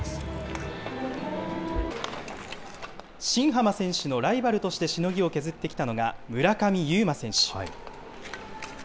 新濱選手のライバルとして、しのぎを削ってきたのが、村上右磨選手。